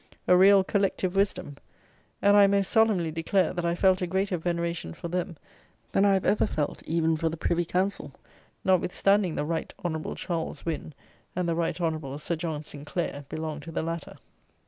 A real Collective Wisdom. And, I most solemnly declare, that I felt a greater veneration for them than I have ever felt even for the Privy Council, notwithstanding the Right Honorable Charles Wynn and the Right Honorable Sir John Sinclair belong to the latter.